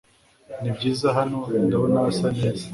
Nibyiza hano.ndabona hasa neza